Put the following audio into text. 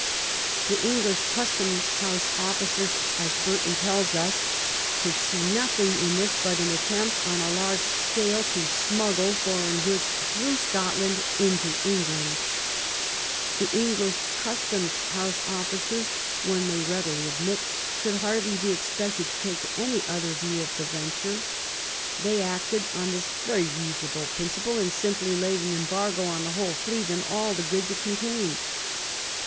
The Eng I. .W 273 THE REIGN OF QUEEN ANNE lish custom houBe officers, as Burton tells us, " could see nothing in this but an attempt on a large scale to smuggle foreign goods through Scotland into England/' The English custom house officers, one may readily admit, could hardly be expected to take any other view of the venture. They acted on this very reasonable prin ciple, and simply laid an embargo on the whole fleet and all the goods it contained.